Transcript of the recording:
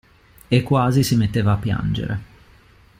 E quasi si metteva a piangere.